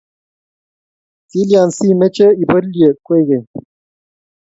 Kilyan siimeche ibolie kwekeny